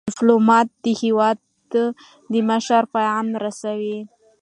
ډيپلومات د هیواد د مشر پیغام رسوي.